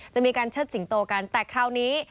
จะมีการเชิดสิงโตกันแต่คราวนี้